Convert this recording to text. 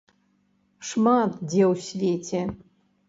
Шмат дзе ў свеце.